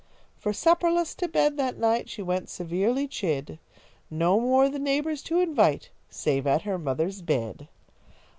For, supperless, to bed that night, She went, severely chid; No more the neighbours to invite, Save at her mother's bid.